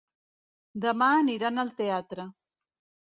Demà aniran al teatre.